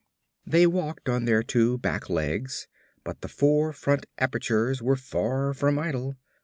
They walked on their two back legs but the four front apertures were far from idle.